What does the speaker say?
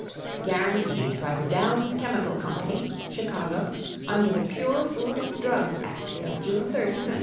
Guaranteed by the Downs' Chemical Company, Chicago, under the Pure Food and Drugs' Act of June 30, 1906.